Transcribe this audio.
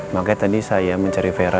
makanya tadi saya mencari vera